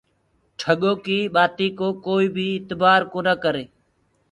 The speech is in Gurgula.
ٺڳو ڪيٚ بآتينٚ ڪو ڪوئي بي اتبآر ڪونآ ڪري۔